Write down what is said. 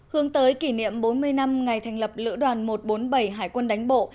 hướng tới kỷ niệm bốn mươi năm ngày thành lập lữ đoàn một trăm bốn mươi bảy hải quân đánh bộ